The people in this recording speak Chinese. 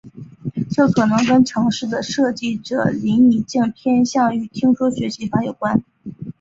这可能跟程式的设计者林宜敬偏向于听说学习法有关。